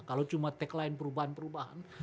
kalau cuma tagline perubahan perubahan